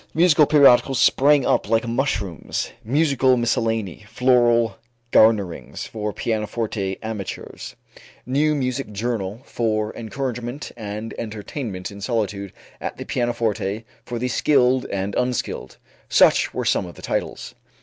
Musical periodicals sprang up like mushrooms "Musical Miscellany," "Floral Garnerings for Pianoforte Amateurs," "New Music Journal for Encouragement and Entertainment in Solitude at the Pianoforte for the Skilled and Unskilled," such were some of the titles.